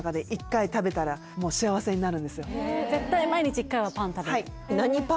絶対毎日１回はパン食べる？